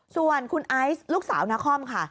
ส่วนคุณไอซ์ลูกสาวนาคอมค่ะ